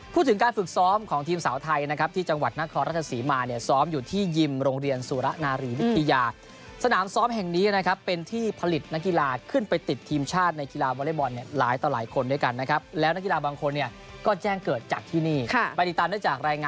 พูดถึงการฝึกซ้อมของทีมสาวไทยนะครับที่จังหวัดนครราชศรีมาเนี่ยซ้อมอยู่ที่ยิมโรงเรียนสุระนารีวิทยาสนามซ้อมแห่งนี้นะครับเป็นที่ผลิตนักกีฬาขึ้นไปติดทีมชาติในกีฬาวอเล็กบอลเนี่ยหลายต่อหลายคนด้วยกันนะครับแล้วนักกีฬาบางคนเนี่ยก็แจ้งเกิดจากที่นี่ค่ะรายงาน